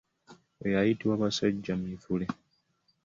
Oyo ayitibwa basajjamivule.